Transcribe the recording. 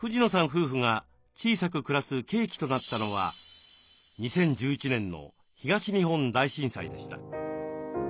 夫婦が小さく暮らす契機となったのは２０１１年の東日本大震災でした。